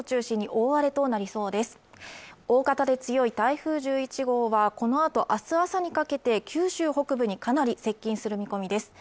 大型で強い台風１１号はこのあとあす朝にかけて九州北部にかなり接近する見込みです